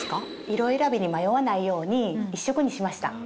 色選びに迷わないように１色にしました。